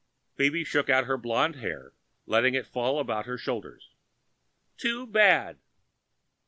Phoebe shook out her blonde hair, letting it fall about her shoulders. "Too bad."